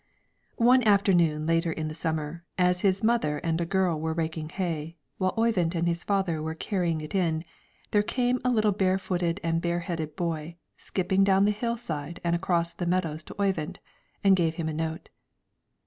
One afternoon later in the summer, as his mother and a girl were raking hay, while Oyvind and his father were carrying it in, there came a little barefooted and bareheaded boy, skipping down the hill side and across the meadows to Oyvind, and gave him a note.